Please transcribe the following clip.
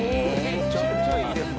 むちゃくちゃいいですね。